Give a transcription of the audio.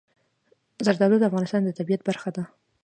زردالو د افغانستان د طبیعت برخه ده.